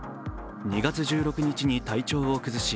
２月１６日に体調を崩し